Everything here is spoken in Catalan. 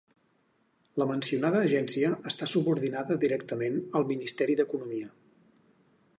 La mencionada agència està subordinada directament al Ministeri d'Economia.